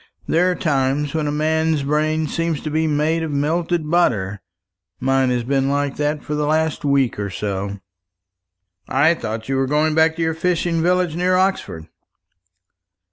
There are times when a man's brain seems to be made of melted butter. Mine has been like that for the last week or so." "I thought you were going back to your fishing village near Oxford."